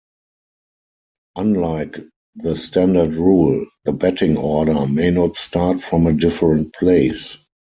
Unlike the standard rule, the batting order may not start from a different place.